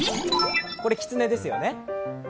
これ、きつねですよね。